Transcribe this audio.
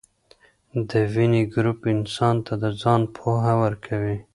دویني ګروپ انسان ته د ځان پوهه ورکوي.